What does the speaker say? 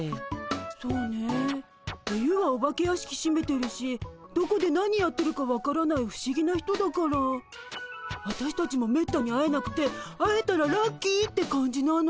そうね冬はお化け屋敷しめてるしどこで何やってるか分からない不思議な人だからあたしたちもめったに会えなくて会えたらラッキーって感じなの。